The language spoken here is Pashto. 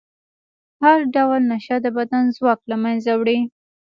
هر ډول نشه د بدن ځواک له منځه وړي.